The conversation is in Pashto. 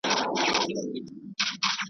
په ښرا لکه کونډیاني هر ماخستن یو .